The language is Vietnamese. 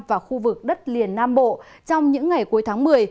và khu vực đất liền nam bộ trong những ngày cuối tháng một mươi